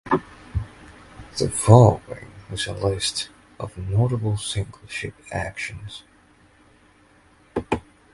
The following is a list of notable single-ship actions.